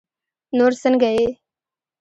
نور سنګه یی